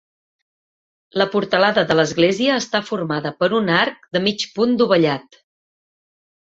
La portalada de l'església està formada per un arc de mig punt dovellat.